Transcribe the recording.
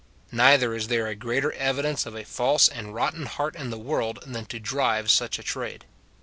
Neither is there a greater evidence of a false and rotten heart in the world than to drive such a trade.